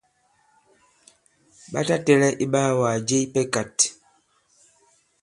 Ɓa ta tɛ̄lɛ̄ iɓaawàgà je ipɛ kāt.